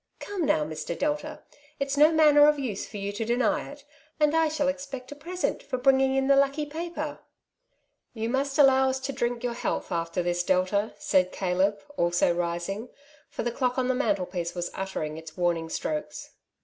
'' Come, now, Mr. Delta, it's no manner of use for you to deny it, and I shall expect a present for bringing in the lucky paper !'^ ''You must allow us to drink your health after this. Delta,'' said Caleb, also rising, for the clock on the mantelpiece was uttering its warning strokes.